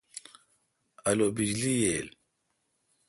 الو بجلی ییل۔؟